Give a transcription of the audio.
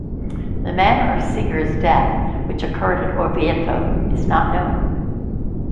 The manner of Siger's death, which occurred at Orvieto, is not known.